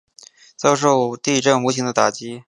遭受地震无情的打击